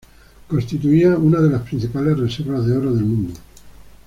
Constituía una de las principales reservas de oro del mundo.